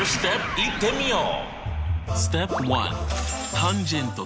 いってみよう！